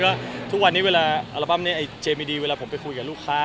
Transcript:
ก็ทุกวันนี้เวลาอัลบั้มนี้ไอ้เจมิดีเวลาผมไปคุยกับลูกค้า